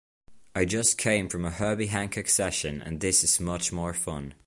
I just came from a Herbie Hancock session and this is much more fun.